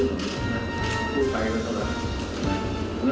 ขอบพัดเขานะ